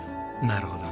なるほど。